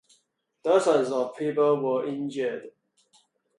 Dozens of people were injured.